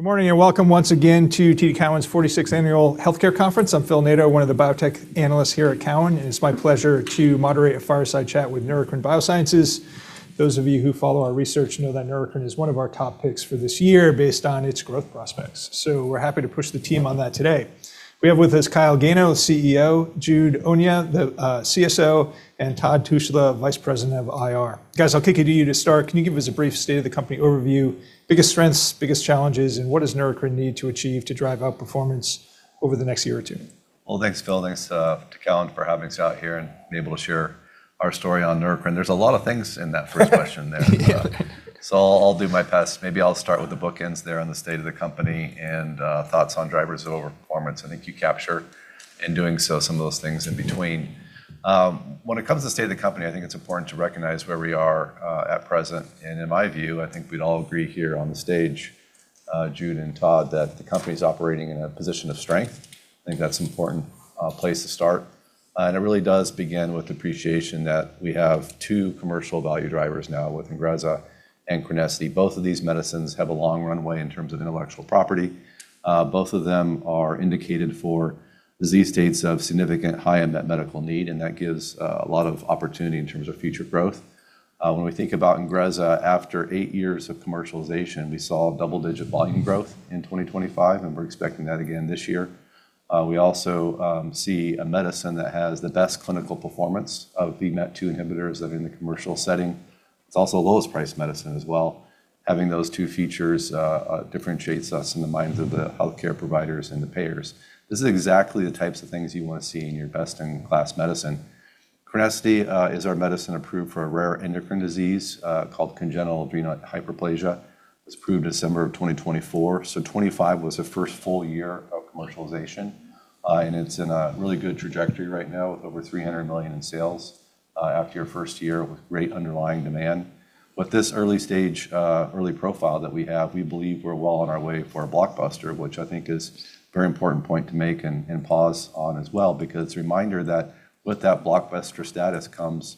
Good morning, welcome once again to TD Cowen's 46th Annual Healthcare Conference. I'm Phil Nadeau, one of the biotech analysts here at Cowen, and it's my pleasure to moderate a fireside chat with Neurocrine Biosciences. Those of you who follow our research know that Neurocrine is one of our top picks for this year based on its growth prospects. We're happy to push the team on that today. We have with us Kyle Gano, CEO, Jude Onyia, the CSO, and Todd Tushla, Vice President of IR. Guys, I'll kick it to you to start. Can you give us a brief state of the company overview, biggest strengths, biggest challenges, and what does Neurocrine need to achieve to drive out performance over the next one or two? Well, thanks, Phil. Thanks to Cowen for having us out here and being able to share our story on Neurocrine. There's a lot of things in that first question there. Yeah. I'll do my best. Maybe I'll start with the bookends there on the state of the company and thoughts on drivers of overperformance. I think you capture, in doing so, some of those things in between. When it comes to state of the company, I think it's important to recognize where we are at present, and in my view, I think we'd all agree here on the stage, Jude and Todd, that the company's operating in a position of strength. I think that's an important place to start. It really does begin with appreciation that we have two commercial value drivers now with INGREZZA and CRENESSITY. Both of these medicines have a long runway in terms of intellectual property. Both of them are indicated for disease states of significant high net medical need, and that gives a lot of opportunity in terms of future growth. When we think about INGREZZA, after eight years of commercialization, we saw double-digit volume growth in 2025, and we're expecting that again this year. We also see a medicine that has the best clinical performance of VMAT2 inhibitors that are in the commercial setting. It's also the lowest priced medicine as well. Having those two features differentiates us in the minds of the healthcare providers and the payers. This is exactly the types of things you want to see in your best-in-class medicine. CRENESSITY is our medicine approved for a rare endocrine disease called congenital adrenal hyperplasia. It was approved December of 2024, 2025 was the first full year of commercialization. It's in a really good trajectory right now with over $300 million in sales after your first year with great underlying demand. With this early stage, early profile that we have, we believe we're well on our way for a blockbuster, which I think is a very important point to make and pause on as well because reminder that with that blockbuster status comes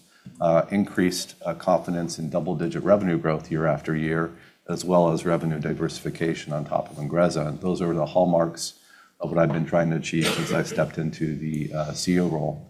increased confidence in double-digit revenue growth year after year, as well as revenue diversification on top of INGREZZA. Those are the hallmarks of what I've been trying to achieve since I've stepped into the CEO role.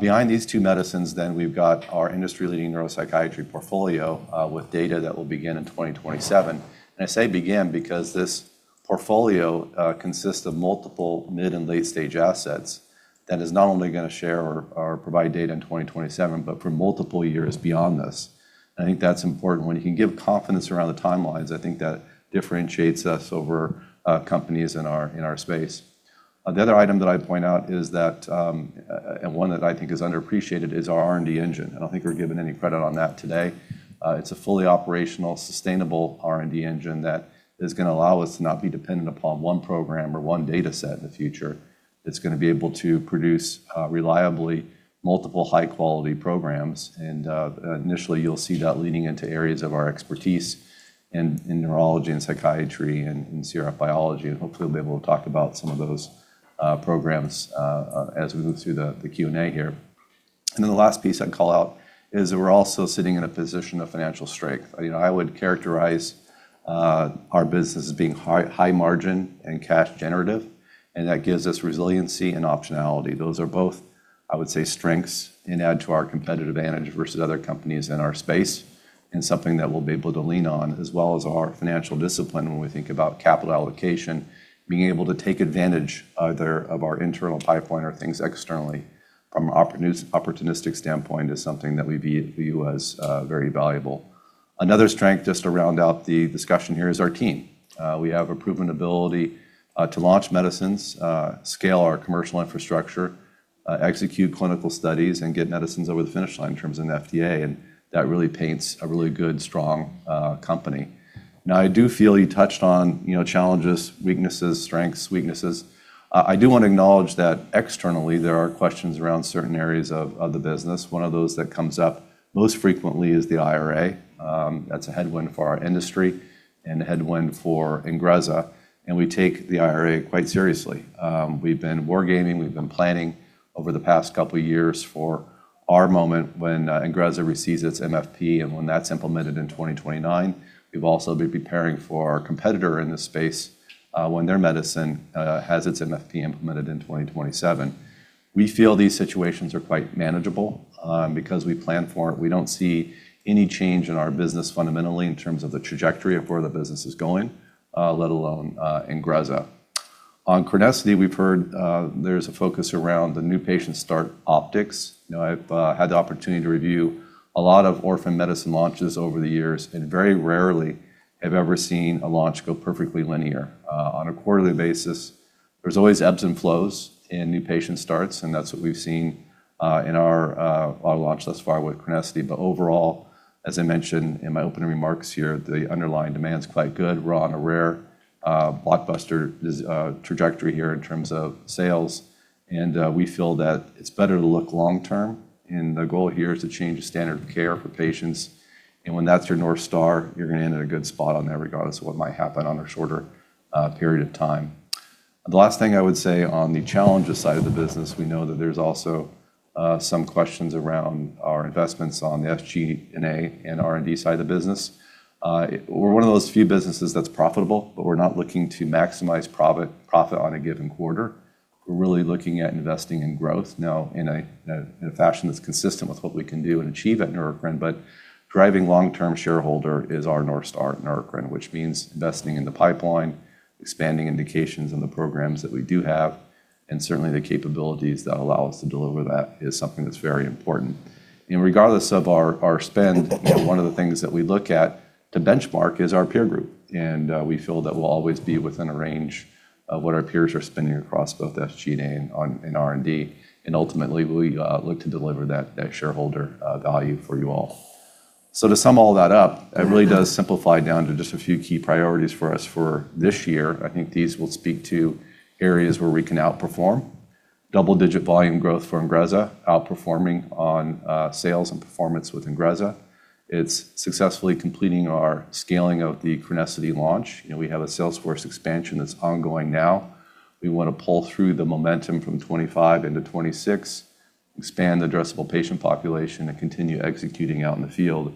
Behind these two medicines, we've got our industry-leading neuropsychiatry portfolio with data that will begin in 2027. I say begin because this portfolio consists of multiple mid and late-stage assets that is not only gonna share or provide data in 2027 but for multiple years beyond this. I think that's important. When you can give confidence around the timelines, I think that differentiates us over companies in our space. The other item that I'd point out is that, and one that I think is underappreciated, is our R&D engine. I don't think we're given any credit on that today. It's a fully operational, sustainable R&D engine that is gonna allow us to not be dependent upon one program or one data set in the future. It's gonna be able to produce reliably multiple high-quality programs. Initially, you'll see that leading into areas of our expertise in neurology and psychiatry and in CRF biology. Hopefully, we'll be able to talk about some of those programs as we move through the Q&A here. The last piece I'd call out is that we're also sitting in a position of financial strength. You know, I would characterize our business as being high, high margin and cash generative, and that gives us resiliency and optionality. Those are both, I would say, strengths and add to our competitive advantage versus other companies in our space and something that we'll be able to lean on as well as our financial discipline when we think about capital allocation, being able to take advantage either of our internal pipeline or things externally from an opportunistic standpoint is something that we view as very valuable. Another strength, just to round out the discussion here, is our team. We have a proven ability to launch medicines, scale our commercial infrastructure, execute clinical studies, and get medicines over the finish line in terms of the FDA. That really paints a really good, strong company. Now, I do feel you touched on, you know, challenges, weaknesses, strengths, weaknesses. I do want to acknowledge that externally, there are questions around certain areas of the business. One of those that comes up most frequently is the IRA. That's a headwind for our industry and a headwind for INGREZZA, and we take the IRA quite seriously. We've been wargaming, we've been planning over the past couple of years for our moment when INGREZZA receives its MFP and when that's implemented in 2029. We've also been preparing for our competitor in this space, when their medicine has its MFP implemented in 2027. We feel these situations are quite manageable, because we plan for it. We don't see any change in our business fundamentally in terms of the trajectory of where the business is going, let alone, INGREZZA. On CRENESSITY, we've heard, there's a focus around the new patient start optics. You know, I've had the opportunity to review a lot of orphan medicine launches over the years, and very rarely have ever seen a launch go perfectly linear, on a quarterly basis. There's always ebbs and flows in new patient starts, and that's what we've seen, in our launch thus far with CRENESSITY. Overall, as I mentioned in my opening remarks here, the underlying demand is quite good. We're on a rare blockbuster trajectory here in terms of sales, we feel that it's better to look long term. The goal here is to change the standard of care for patients. When that's your North Star, you're gonna end in a good spot on there regardless of what might happen on a shorter period of time. The last thing I would say on the challenges side of the business, we know that there's also some questions around our investments on the SG&A and R&D side of the business. We're one of those few businesses that's profitable, but we're not looking to maximize profit on a given quarter. We're really looking at investing in growth now in a fashion that's consistent with what we can do and achieve at Neurocrine. Driving long-term shareholder is our North Star at Neurocrine, which means investing in the pipeline, expanding indications in the programs that we do have, and certainly the capabilities that allow us to deliver that is something that's very important. Regardless of our spend, you know, one of the things that we look at to benchmark is our peer group. We feel that we'll always be within a range of what our peers are spending across both SG&A and in R&D. Ultimately, we look to deliver that shareholder value for you all. To sum all that up, it really does simplify down to just a few key priorities for us for this year. I think these will speak to areas where we can outperform. Double-digit volume growth for INGREZZA, outperforming on sales and performance with INGREZZA. It's successfully completing our scaling of the CRENESSITY launch. You know, we have a sales force expansion that's ongoing now. We wanna pull through the momentum from 2025 into 2026, expand addressable patient population, and continue executing out in the field.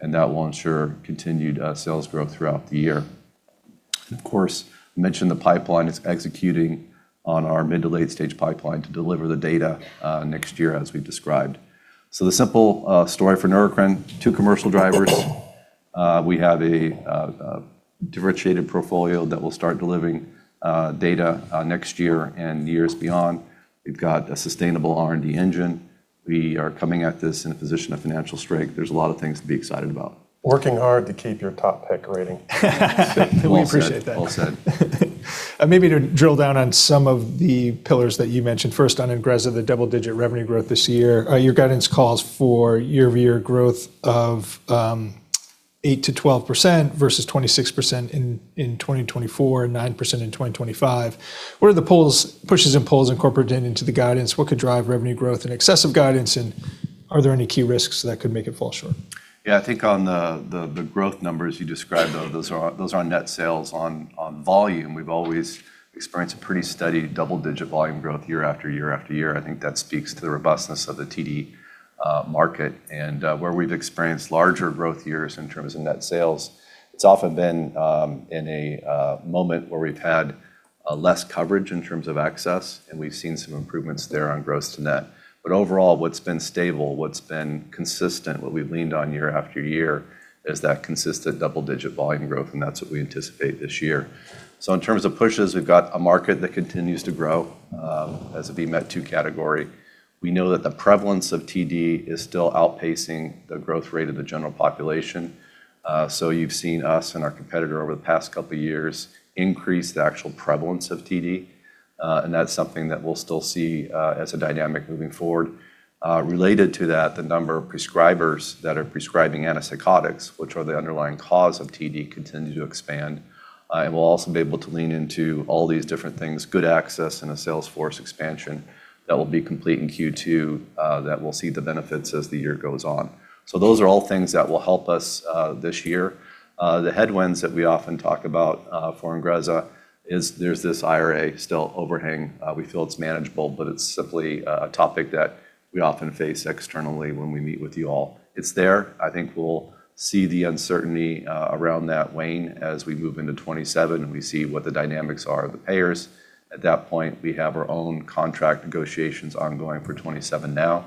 That will ensure continued sales growth throughout the year. Of course, mentioned the pipeline. It's executing on our mid to late-stage pipeline to deliver the data next year as we've described. The simple story for Neurocrine, two commercial drivers. We have a differentiated portfolio that will start delivering data next year and years beyond. We've got a sustainable R&D engine. We are coming at this in a position of financial strength. There's a lot of things to be excited about. Working hard to keep your top pick rating. Well said. Well said. We appreciate that. Maybe to drill down on some of the pillars that you mentioned. First, on INGREZZA, the double-digit revenue growth this year. Your guidance calls for year-over-year growth of 8%-12% versus 26% in 2024 and 9% in 2025. What are the pulls, pushes and pulls incorporated into the guidance? What could drive revenue growth and excessive guidance? Are there any key risks that could make it fall short? Yeah. I think on the growth numbers you described, though, those are on net sales on volume. We've always experienced a pretty steady double-digit volume growth year after year after year. I think that speaks to the robustness of the TD market. Where we've experienced larger growth years in terms of net sales, it's often been in a moment where we've had less coverage in terms of access, and we've seen some improvements there on gross to net. Overall, what's been stable, what's been consistent, what we've leaned on year after year is that consistent double-digit volume growth, and that's what we anticipate this year. In terms of pushes, we've got a market that continues to grow as a VMAT2 category. We know that the prevalence of TD is still outpacing the growth rate of the general population. You've seen us and our competitor over the past couple of years increase the actual prevalence of TD, and that's something that we'll still see as a dynamic moving forward. Related to that, the number of prescribers that are prescribing antipsychotics, which are the underlying cause of TD, continue to expand. We'll also be able to lean into all these different things, good access and a sales force expansion that will be complete in Q2, that we'll see the benefits as the year goes on. Those are all things that will help us this year. The headwinds that we often talk about for INGREZZA is there's this IRA still overhang. We feel it's manageable, but it's simply a topic that we often face externally when we meet with you all. It's there. I think we'll see the uncertainty around that wane as we move into 2027 and we see what the dynamics are of the payers. At that point, we have our own contract negotiations ongoing for 2027 now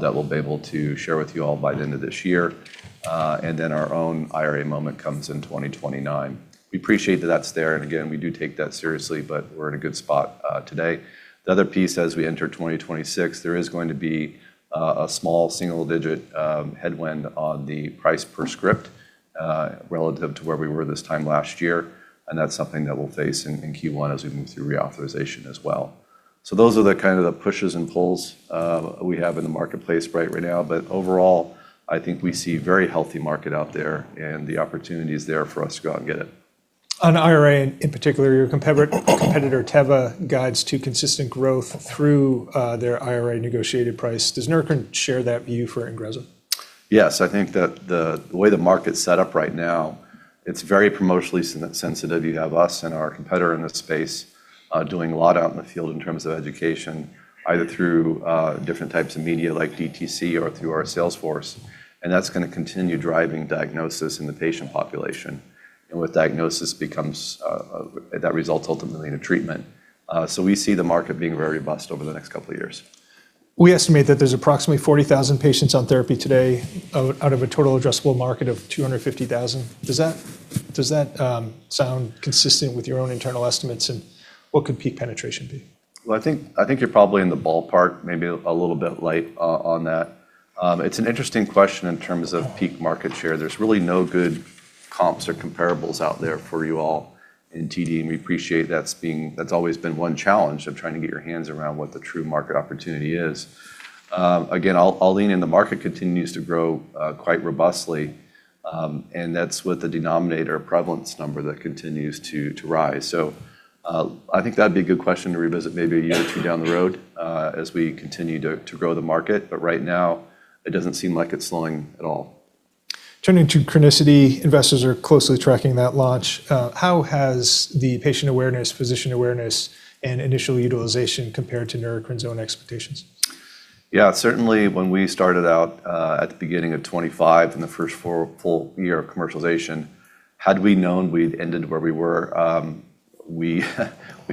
that we'll be able to share with you all by the end of this year. Then our own IRA moment comes in 2029. We appreciate that that's there, and again, we do take that seriously, but we're in a good spot today. The other piece as we enter 2026, there is going to be a small single-digit headwind on the price per script relative to where we were this time last year, and that's something that we'll face in Q1 as we move through reauthorization as well. Those are the kind of the pushes and pulls we have in the marketplace right now. Overall, I think we see very healthy market out there and the opportunity is there for us to go out and get it. On IRA in particular, your competitor, Teva, guides to consistent growth through their IRA negotiated price. Does Neurocrine share that view for INGREZZA? Yes. I think that the way the market's set up right now, it's very promotionally sensitive. You have us and our competitor in this space, doing a lot out in the field in terms of education, either through different types of media like DTC or through our sales force, and that's gonna continue driving diagnosis in the patient population. With diagnosis becomes that results ultimately in a treatment. We see the market being very robust over the next couple of years. We estimate that there's approximately 40,000 patients on therapy today out of a total addressable market of 250,000. Does that sound consistent with your own internal estimates, and what could peak penetration be? Well, I think you're probably in the ballpark, maybe a little bit light on that. It's an interesting question in terms of peak market share. There's really no good comps or comparables out there for you all in TD, and we appreciate that's being. That's always been one challenge of trying to get your hands around what the true market opportunity is. Again, I'll lean in, the market continues to grow quite robustly, and that's with the denominator prevalence number that continues to rise. I think that'd be a good question to revisit maybe a year or two down the road, as we continue to grow the market. But right now, it doesn't seem like it's slowing at all. Turning to CRENESSITY, investors are closely tracking that launch. How has the patient awareness, physician awareness, and initial utilization compared to Neurocrine's own expectations? Certainly when we started out at the beginning of 2025 in the first four full year of commercialization, had we known we'd ended where we were, we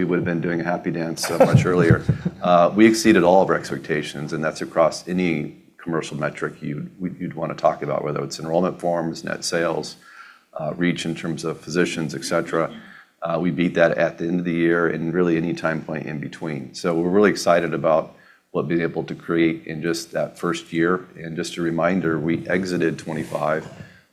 would have been doing a happy dance so much earlier. We exceeded all of our expectations, and that's across any commercial metric you'd wanna talk about, whether it's enrollment forms, net sales, reach in terms of physicians, etc. We beat that at the end of the year and really any time point in between. We're really excited about what being able to create in just that first year. Just a reminder, we exited 2025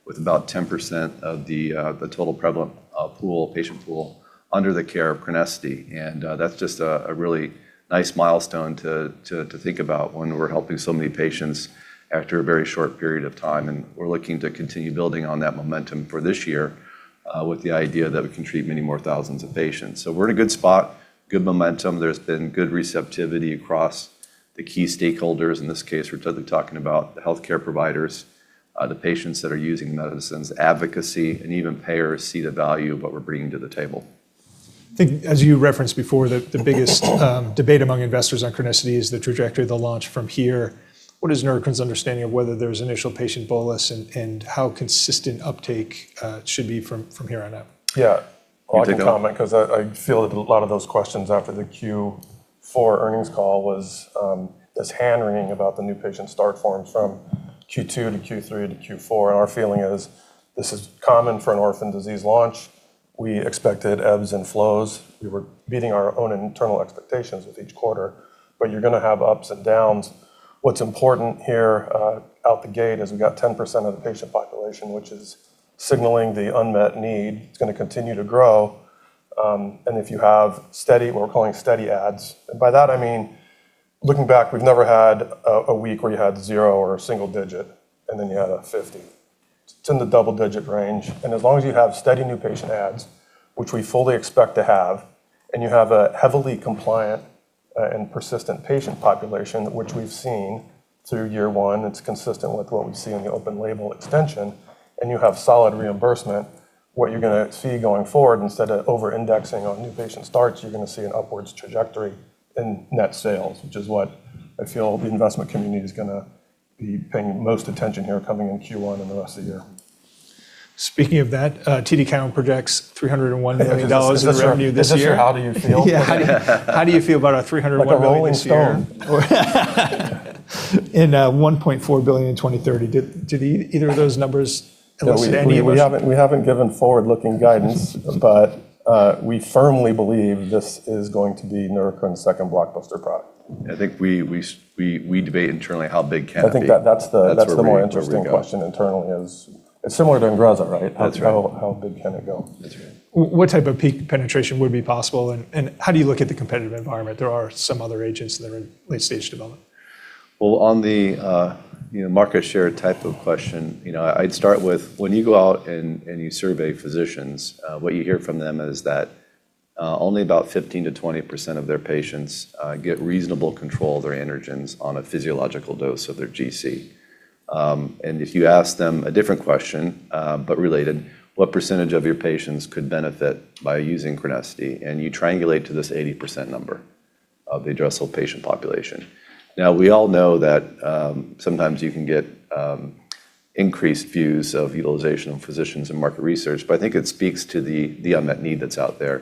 with about 10% of the total prevalent pool, patient pool under the care of CRENESSITY. That's just a really nice milestone to think about when we're helping so many patients after a very short period of time. We're looking to continue building on that momentum for this year with the idea that we can treat many more thousands of patients. We're in a good spot, good momentum. There's been good receptivity across the key stakeholders. In this case, we're talking about the healthcare providers, the patients that are using medicines, advocacy and even payers see the value of what we're bringing to the table. I think as you referenced before, the biggest debate among investors on CRENESSITY is the trajectory of the launch from here. What is Neurocrine's understanding of whether there's initial patient bolus and how consistent uptake should be from here on out? Yeah. I'll take a comment 'cause I feel a lot of those questions after the Q4 earnings call was this hand-wringing about the new patient start forms from Q2 to Q3 to Q4. Our feeling is this is common for an orphan disease launch. We expected ebbs and flows. We were beating our own internal expectations with each quarter, but you're gonna have ups and downs. What's important here, out the gate is we got 10% of the patient population, which is signaling the unmet need. It's gonna continue to grow. If you have steady what we're calling steady adds, and by that I mean looking back, we've never had a week where you had zero or a single digit and then you had a 50. It's in the double-digit range. As long as you have steady new patient adds, which we fully expect to have, and you have a heavily compliant, and persistent patient population, which we've seen through year one, it's consistent with what we see in the open label extension, and you have solid reimbursement, what you're gonna see going forward, instead of over-indexing on new patient starts, you're gonna see an upwards trajectory in net sales, which is what I feel the investment community is gonna be paying most attention here coming in Q1 and the rest of the year. Speaking of that, TD Cowen projects $301 million in revenue this year. Is this a how do you feel? Yeah. How do you feel about our $301 million this year? Like a rolling stone. $1.4 billion in 2030. Did either of those numbers elicit any- We haven't given forward-looking guidance, but, we firmly believe this is going to be Neurocrine's second blockbuster product. I think we debate internally how big can it be. I think that that's the, that's the more interesting question internally is it's similar to INGREZZA, right? That's right. How big can it go? That's right. What type of peak penetration would be possible and how do you look at the competitive environment? There are some other agents that are in late-stage development. Well, on the, you know, market share type of question, you know, I'd start with when you go out and you survey physicians, what you hear from them is that only about 15%-20% of their patients get reasonable control of their androgens on a physiological dose of their GC. If you ask them a different question, but related, "What percentage of your patients could benefit by using CRENESSITY?" You triangulate to this 80% number of the addressable patient population. We all know that sometimes you can get increased views of utilization of physicians in market research, but I think it speaks to the unmet need that's out there.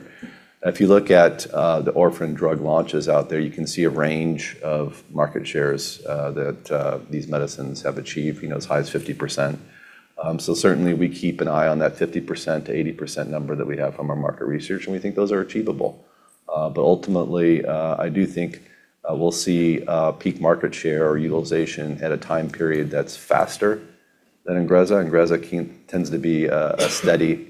If you look at the orphan drug launches out there, you can see a range of market shares that these medicines have achieved, you know, as high as 50%. Certainly we keep an eye on that 50%-80% number that we have from our market research, and we think those are achievable. Ultimately, I do think we'll see peak market share or utilization at a time period that's faster than INGREZZA tends to be a steady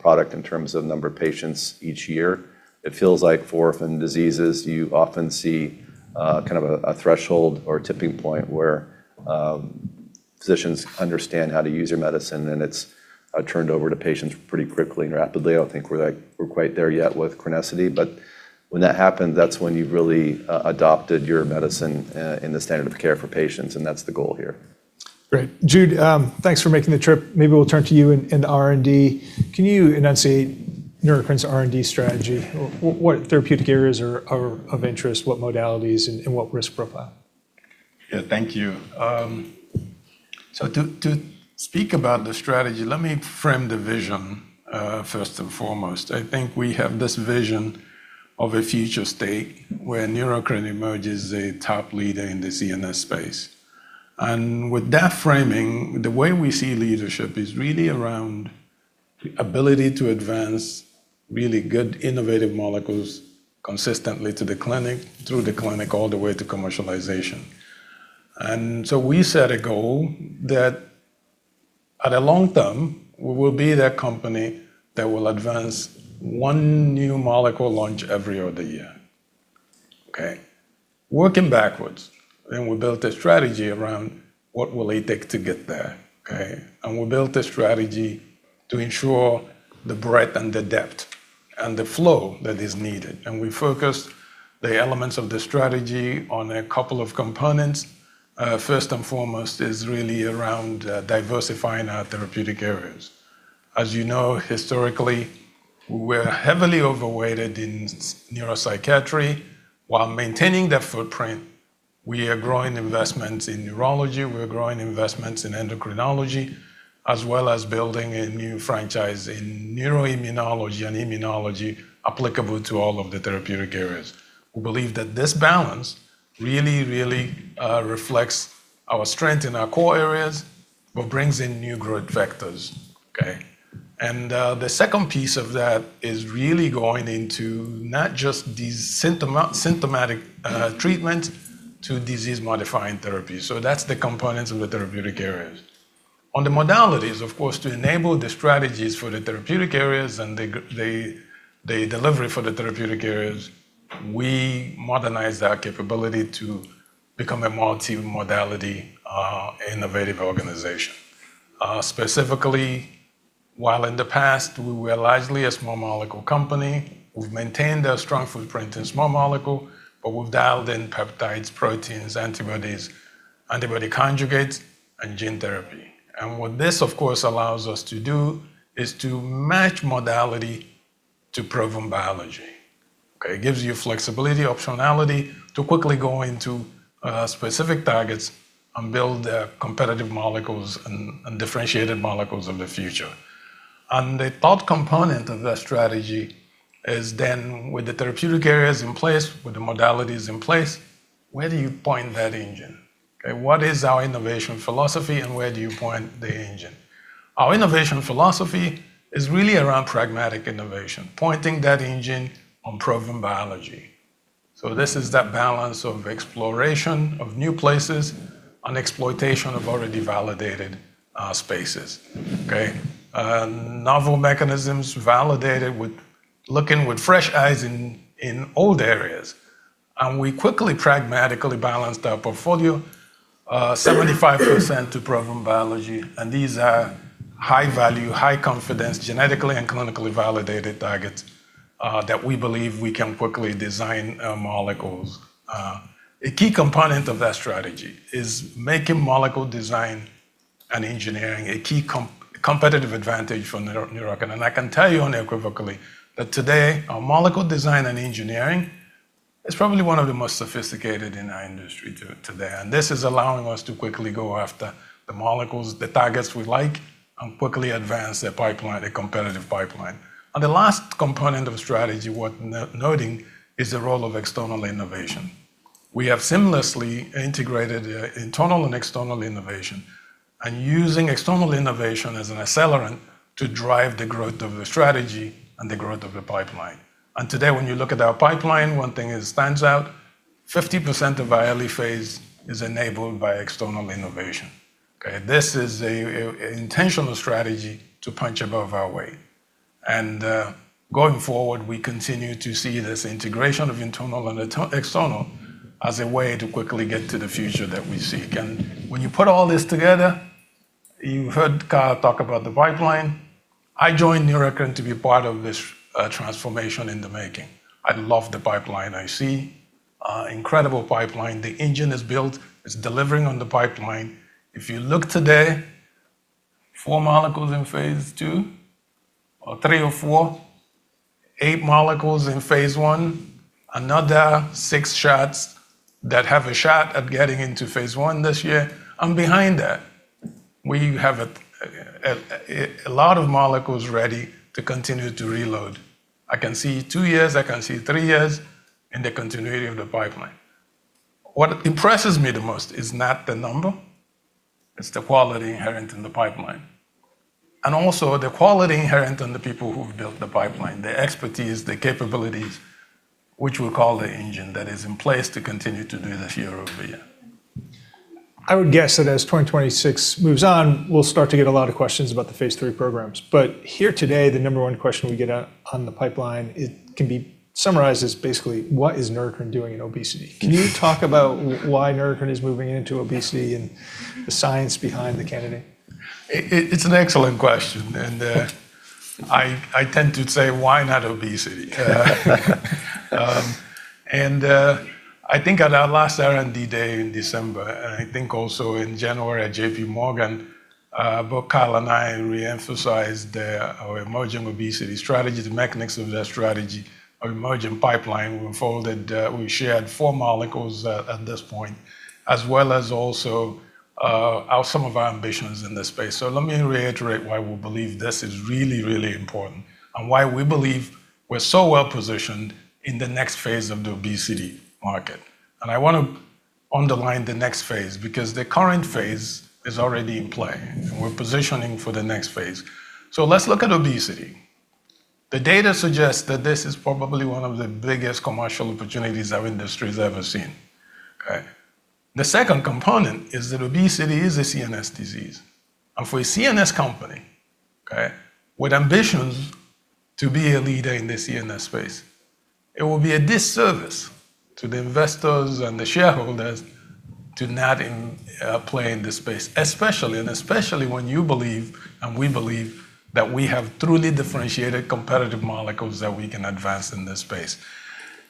product in terms of number of patients each year. It feels like for orphan diseases, you often see kind of a threshold or tipping point where physicians understand how to use your medicine and it's turned over to patients pretty quickly and rapidly. I don't think we're like... We're quite there yet with CRENESSITY, but when that happens, that's when you've really adopted your medicine in the standard of care for patients, and that's the goal here. Great. Jude, thanks for making the trip. Maybe we'll turn to you in R&D. Can you enunciate Neurocrine's R&D strategy? What therapeutic areas are of interest? What modalities and what risk profile? Yeah. Thank you. So to speak about the strategy, let me frame the vision, first and foremost. I think we have this vision of a future state where Neurocrine emerges as a top leader in the CNS space. With that framing, the way we see leadership is really around the ability to advance really good innovative molecules consistently to the clinic, through the clinic, all the way to commercialization. We set a goal that at the long term, we will be that company that will advance new molecule launch every other year. Okay? Working backwards, we built a strategy around what will it take to get there, okay? We built a strategy to ensure the breadth and the depth. And the flow that is needed. We focused the elements of the strategy on a couple of components. First and foremost is really around diversifying our therapeutic areas. As you know, historically, we were heavily overweighted in neuropsychiatry while maintaining that footprint, we are growing investments in neurology, we are growing investments in endocrinology, as well as building a new franchise in neuroimmunology and immunology applicable to all of the therapeutic areas. We believe that this balance really reflects our strength in our core areas, but brings in new growth vectors. Okay. The second piece of that is really going into not just these symptomatic treatment to disease-modifying therapy. That's the components of the therapeutic areas. On the modalities, of course, to enable the strategies for the therapeutic areas and the delivery for the therapeutic areas, we modernized our capability to become a multi-modality, innovative organization. Specifically, while in the past, we were largely a small molecule company, we've maintained a strong footprint in small molecule, but we've dialed in peptides, proteins, antibodies, antibody conjugates, and gene therapy. What this, of course, allows us to do is to match modality to proven biology. Okay? It gives you flexibility, optionality to quickly go into specific targets and build the competitive molecules and differentiated molecules of the future. The third component of that strategy is then with the therapeutic areas in place, with the modalities in place, where do you point that engine? Okay, what is our innovation philosophy and where do you point the engine? Our innovation philosophy is really around pragmatic innovation, pointing that engine on proven biology. This is that balance of exploration of new places and exploitation of already validated spaces. Okay? Novel mechanisms validated with looking with fresh eyes in old areas. We quickly pragmatically balanced our portfolio, 75% to proven biology, and these are high value, high confidence, genetically and clinically validated targets, that we believe we can quickly design, molecules. A key component of that strategy is making molecule design and engineering a key competitive advantage for Neurocrine. I can tell you unequivocally that today, our molecule design and engineering is probably one of the most sophisticated in our industry today. This is allowing us to quickly go after the molecules, the targets we like, and quickly advance the pipeline, the competitive pipeline. The last component of strategy worth noting is the role of external innovation. We have seamlessly integrated internal and external innovation and using external innovation as an accelerant to drive the growth of the strategy and the growth of the pipeline. Today, when you look at our pipeline, one thing that stands out, 50% of our early phase is enabled by external innovation. Okay? This is an intentional strategy to punch above our weight. Going forward, we continue to see this integration of internal and external as a way to quickly get to the future that we seek. When you put all this together, you heard Kyle talk about the pipeline. I joined Neurocrine to be part of this transformation in the making. I love the pipeline. I see incredible pipeline. The engine is built. It's delivering on the pipeline. If you look today, four molecules in phase II, or phase III or phase IV, eight molecules in phase I, another six shots that have a shot at getting into phase I this year. Behind that, we have a lot of molecules ready to continue to reload. I can see two years, I can see three years in the continuity of the pipeline. What impresses me the most is not the number, it's the quality inherent in the pipeline. Also the quality inherent in the people who've built the pipeline, their expertise, their capabilities, which we call the engine that is in place to continue to do this year-over-year. I would guess that as 2026 moves on, we'll start to get a lot of questions about the phase III programs. Here today, the number one question we get on the pipeline, it can be summarized as basically, what is Neurocrine doing in obesity? Can you talk about why Neurocrine is moving into obesity and the science behind the candidate? It's an excellent question, and, I tend to say, "Why not obesity?" And, I think at our last R&D Day in December, and I think also in January at JPMorgan, both Kyle and I re-emphasized, our emerging obesity strategy, the mechanics of that strategy, our emerging pipeline. We unfolded, we shared four molecules at this point, as well as also, some of our ambitions in this space. Let me reiterate why we believe this is really, really important and why we believe we're so well-positioned in the next phase of the obesity market. I wanna underline the next phase because the current phase is already in play, and we're positioning for the next phase. Let's look at obesity. The data suggests that this is probably one of the biggest commercial opportunities our industry's ever seen. Okay? The second component is that obesity is a CNS disease. For a CNS company, okay, with ambitions to be a leader in the CNS space. It will be a disservice to the investors and the shareholders to not play in this space, especially when you believe, and we believe that we have truly differentiated competitive molecules that we can advance in this space.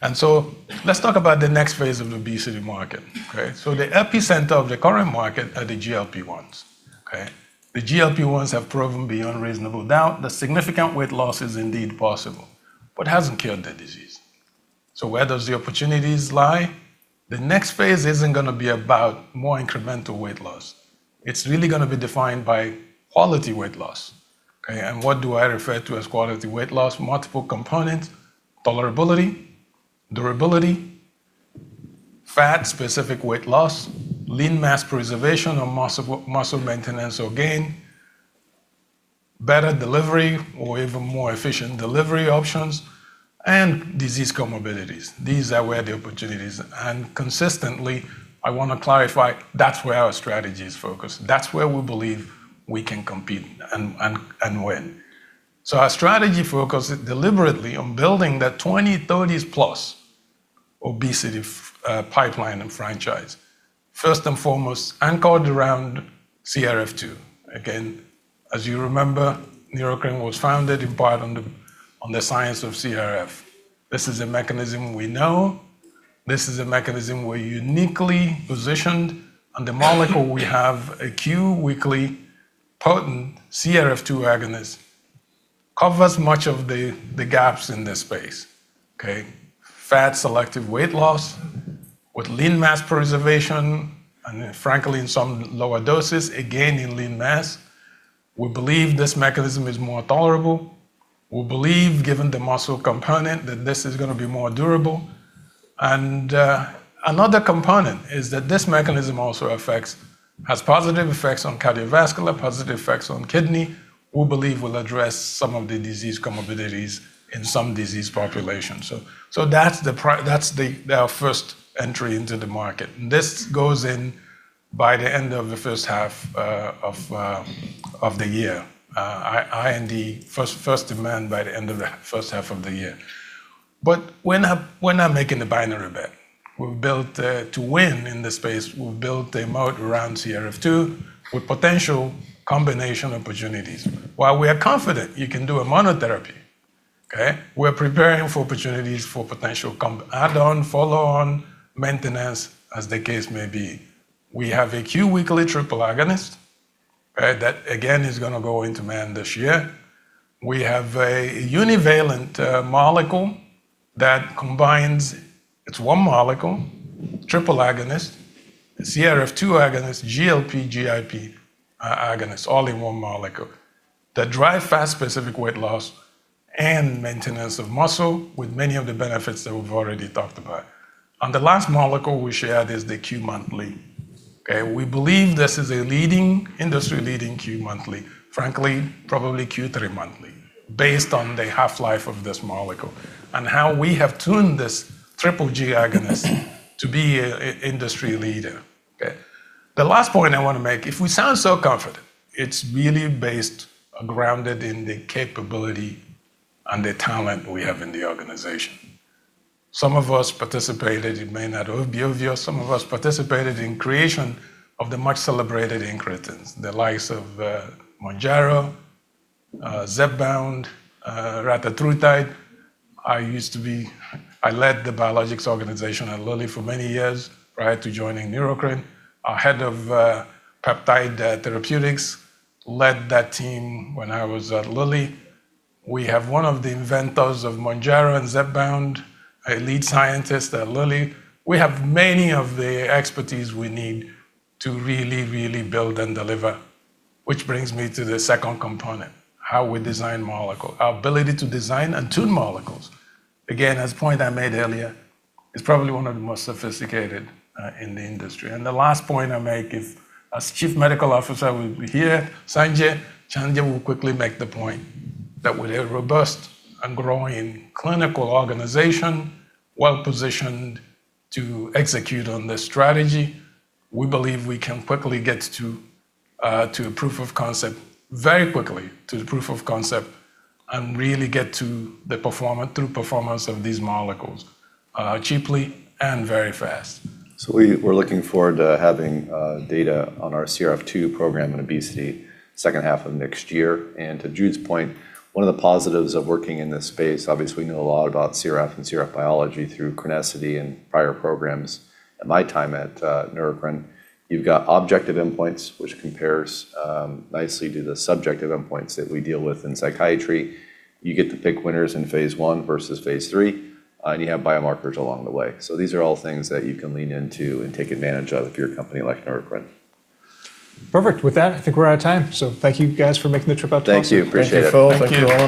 Let's talk about the next phase of the obesity market, okay? The epicenter of the current market are the GLP-1s, okay? The GLP-1s have proven beyond reasonable doubt that significant weight loss is indeed possible, but hasn't cured the disease. Where does the opportunities lie? The next phase isn't gonna be about more incremental weight loss. It's really gonna be defined by quality weight loss, okay? What do I refer to as quality weight loss? Multiple components: tolerability, durability, fat-specific weight loss, lean mass preservation or muscle maintenance or gain, better delivery or even more efficient delivery options, and disease comorbidities. These are where the opportunities. Consistently, I wanna clarify, that's where our strategy is focused. That's where we believe we can compete and win. Our strategy focuses deliberately on building that 2030-plus obesity pipeline and franchise, first and foremost, anchored around CRF2. Again, as you remember, Neurocrine was founded in part on the science of CRF. This is a mechanism we know. This is a mechanism we're uniquely positioned, and the molecule we have, a Q weekly potent CRF2 agonist, covers much of the gaps in this space, okay? Fat selective weight loss with lean mass preservation, and frankly, in some lower doses, a gain in lean mass. We believe this mechanism is more tolerable. We believe, given the muscle component, that this is gonna be more durable. Another component is that this mechanism also has positive effects on cardiovascular, positive effects on kidney. We believe will address some of the disease comorbidities in some disease populations. That's the, our first entry into the market. This goes in by the end of the first half of the year. IND, first demand by the end of the first half of the year. We're not, we're not making a binary bet. We've built to win in this space. We've built a moat around CRF2 with potential combination opportunities. While we are confident you can do a monotherapy, okay? We're preparing for opportunities for potential add-on, follow-on, maintenance, as the case may be. We have a Q weekly triple agonist, all right? That again is gonna go into man this year. We have a univalent molecule that combines... It's one molecule, triple agonist, CRF2 agonist, GLP, GIP agonist, all in one molecule, that drive fat-specific weight loss and maintenance of muscle with many of the benefits that we've already talked about. The last molecule we shared is the Q monthly, okay? We believe this is a leading, industry-leading Q monthly. Frankly, probably Q three monthly, based on the half-life of this molecule and how we have tuned this triple G agonist to be a industry leader, okay? The last point I wanna make, if we sound so confident, it's really based grounded in the capability and the talent we have in the organization. Some of us participated, it may not all be obvious, some of us participated in creation of the much celebrated incretins, the likes of Mounjaro, Zepbound, tirzepatide. I led the biologics organization at Lilly for many years prior to joining Neurocrine. Our head of peptide therapeutics led that team when I was at Lilly. We have one of the inventors of Mounjaro and Zepbound, a lead scientist at Lilly. We have many of the expertise we need to really build and deliver. Which brings me to the second component, how we design molecule. Our ability to design and tune molecules, again, as point I made earlier, is probably one of the most sophisticated in the industry. The last point I make, if as Chief Medical Officer we hear Sanjay Chanda will quickly make the point that we're a robust and growing clinical organization well-positioned to execute on this strategy. We believe we can quickly get to proof of concept, very quickly to the proof of concept and really get to the performance of these molecules cheaply and very fast. We're looking forward to having data on our CRF2 program in obesity second half of next year. To Jude's point, one of the positives of working in this space, obviously, we know a lot about CRF and CRF biology through CRENESSITY and prior programs in my time at Neurocrine. You've got objective endpoints which compares nicely to the subjective endpoints that we deal with in psychiatry. You get to pick winners in phase I versus phase III, and you have biomarkers along the way. These are all things that you can lean into and take advantage of if you're a company like Neurocrine. Perfect. With that, I think we're out of time. Thank you guys for making the trip out to us. Thank you. Appreciate it. Thank you. Thank you, Phil. Thank you all.